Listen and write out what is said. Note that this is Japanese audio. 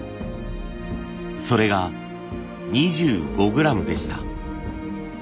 それが２５グラムでした。